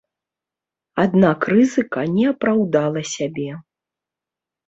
Аднак рызыка не апраўдала сябе.